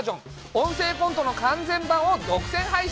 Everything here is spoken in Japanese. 「音声コント」の完全版を独占配信。